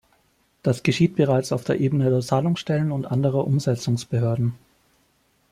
Das geschieht bereits auf der Ebene der Zahlungsstellen und anderer Umsetzungsbehörden.